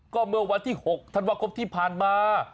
ก็เมื่อวันที่๖ธันวาคมที่ผ่านมา